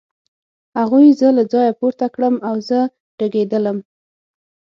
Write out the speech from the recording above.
هغوی زه له ځایه پورته کړم او زه رېږېدلم